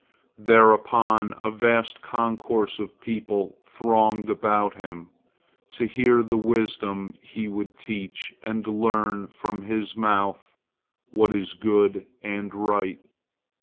Thereupon a vast concourse of people thronged about him, to hear the wisdom he would teach and learn from his mouth what is good and right.